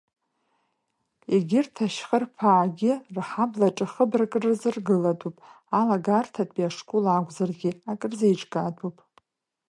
Егьырҭ Ашьхырԥаагьы, рҳаблаҿы хыбрак рзыргылатәуп, алагарҭатәи ашкол акәзаргьы, ак рзеиҿкаатәуп.